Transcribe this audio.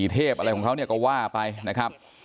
เทพอะไรของเขาเนี่ยก็ว่าไปนะครับ